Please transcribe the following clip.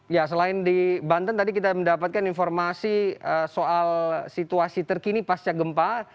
ya selain di banten tadi kita mendapatkan informasi soal situasi terkini pasca gempa